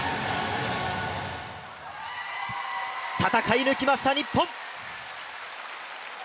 戦い抜きました、日本！